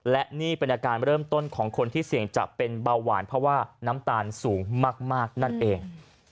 และนี่เป็นอาการเริ่มต้นของคนที่เสี่ยงจะเป็นเบาหวานเพราะว่าน้ำตาลสูงมากนั่นเอง